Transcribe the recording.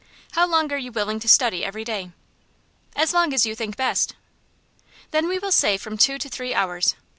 How long are you willing to study every day?" "As long as you think best." "Then we will say from two to three hours.